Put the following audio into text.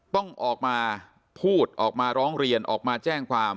ต้องออกมาพูดออกมาร้องเรียนออกมาแจ้งความ